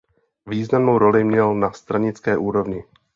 Významnou roli měl na stranické úrovni.